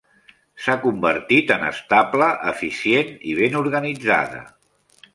S'ha convertit en estable, eficient i ben organitzada.